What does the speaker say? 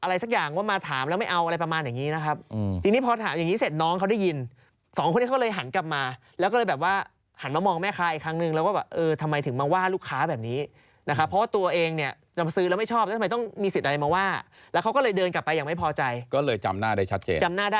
สักอย่างว่ามาถามแล้วไม่เอาอะไรประมาณอย่างนี้นะครับทีนี้พอถามอย่างนี้เสร็จน้องเขาได้ยินสองคนนี้เขาเลยหันกลับมาแล้วก็เลยแบบว่าหันมามองแม่ค้าอีกครั้งนึงแล้วว่าแบบเออทำไมถึงมาว่าลูกค้าแบบนี้นะครับเพราะว่าตัวเองเนี่ยจะมาซื้อแล้วไม่ชอบแล้วทำไมต้องมีสิทธิ์อะไรมาว่าแล้วเขาก็เลยเดินกลับไปอย่างไม่พอใจก็เลยจำหน้าได้ชัดเจนจำหน้าได้